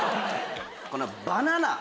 このバナナ